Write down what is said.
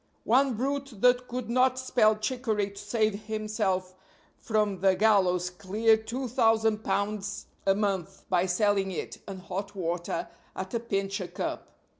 One brute that could not spell chicory to save himself from the gallows cleared two thousand pounds a month by selling it and hot water at a pinch a cup.